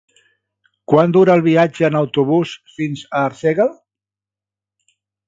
Quant dura el viatge en autobús fins a Arsèguel?